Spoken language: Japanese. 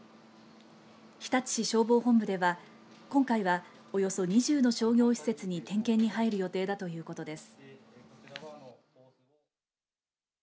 日立市消防本部では今回は、およそ２０の商業施設に点検に入る予定だということです。